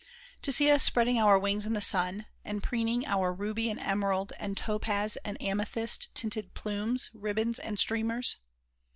To see us spreading our wings in the sun, and preening our ruby and emerald and topaz and amethyst tinted plumes, ribbons, and streamers?